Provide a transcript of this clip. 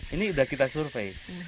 ini udah kita survei